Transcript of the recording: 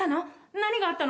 何があったの？